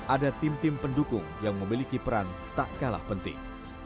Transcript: ada tim tim pendukung yang memiliki peran tak kalah penting